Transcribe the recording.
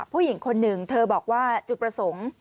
ผู้หญิงคนหนึ่งเธอบอกว่าจุดประสงค์